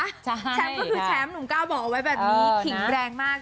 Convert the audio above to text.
แชมป์ก็คือแชมป์หนุ่มก้าวบอกเอาไว้แบบนี้ขิงแรงมาก